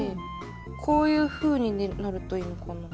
こういうふうになるといいのかな？